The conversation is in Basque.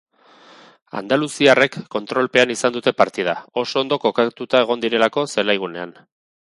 Andaluziarrek kontrolpean izan dute partida, oso ondo kokatuta egon direlako zelaigunean.